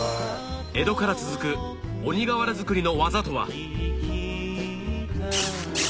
江戸から続く鬼瓦作りの技とは？